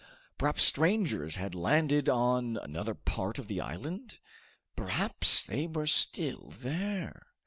Perhaps strangers had landed on another part of the island? Perhaps they were still there?